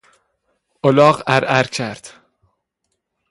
الاغ عرعر کرد.